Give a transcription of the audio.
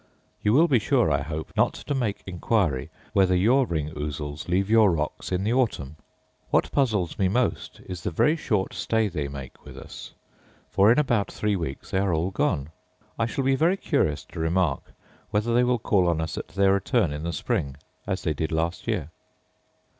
You will be sure, I hope, not to omit to make inquiry whether your ring ousels leave your rocks in the autumn. What puzzles me most, is the very short stay they make with us; for in about three weeks they are all gone. I shall be very curious to remark whether they will call on us at their return in the spring, as they did last year.